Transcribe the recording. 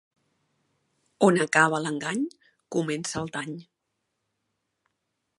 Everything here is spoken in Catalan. On acaba l'engany comença el dany.